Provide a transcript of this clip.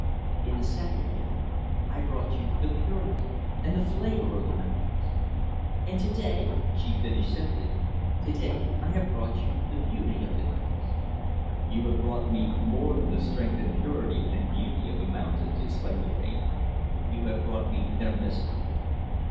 In the second gift, I brought you the purity, and the flavor of the mountains." "And to day" she finished simply "to day I have brought you the beauty of the hills." "You have brought me more than the strength and purity and beauty of the mountains," exclaimed the painter. "You have brought me their mystery."